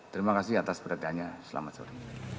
terima kasih atas perhatiannya selamat sore